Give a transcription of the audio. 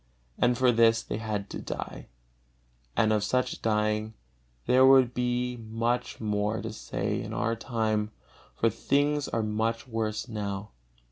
And for this they had to die, and of such dying there would be much more to say in our time, for things are much worse now.